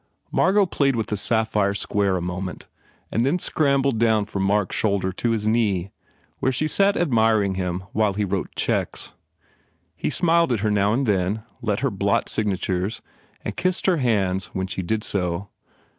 Margot played with the sapphire square a moment and then scrambled down from Mark s shoulder to his knee where she sat admiring him while he wrote checks. He smiled at her now and then, let her blot signatures and kissed her hands when she did so.